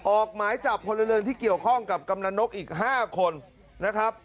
ออกหมายจับพลเรือนที่เกี่ยวข้องกับกำนันนกอีก๕คนนะครับ